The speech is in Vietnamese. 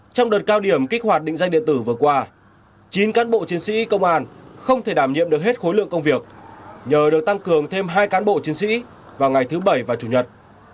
trong đợt cao điểm kích hoạt định danh điện tử vừa qua chín cán bộ chiến sĩ công an không thể đảm nhiệm được hết khối lượng công việc nhờ được tăng cường thêm hai cán bộ chiến sĩ vào ngày thứ bảy và chủ nhật